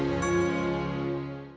batu bata naksir sama gue